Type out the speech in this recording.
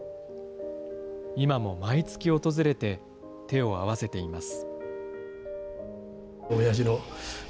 今も毎月訪れて、手を合わせています。